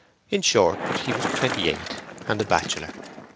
In short, he was twenty eight, and a bachelor.